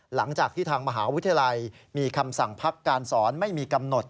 หลังจากที่ทางมหาวิทยาลัยมีคำสั่งพักการสอนไม่มีกำหนด